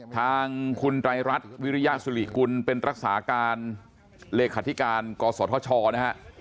ทางคุณไตรรัฐวิริยสุริกุลเป็นรักษาการเลขาธิการกศธชนะฮะ